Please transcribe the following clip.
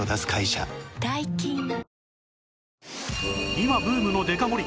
今ブームのデカ盛り